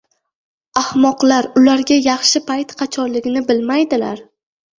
• Ahmoqlar ularga yaxshi payt qachonligini bilmaydilar.